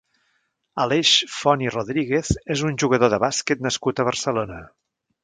Aleix Font i Rodríguez és un jugador de bàsquet nascut a Barcelona.